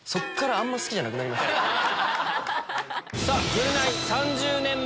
『ぐるナイ』。